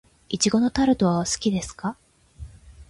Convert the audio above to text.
苺のタルトは好きですか。